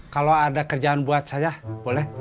kalau ada kerjaan buat saya boleh